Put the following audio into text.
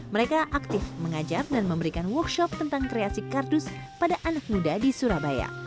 mereka aktif mengajar dan memberikan workshop tentang kreasi kardus pada anak muda di surabaya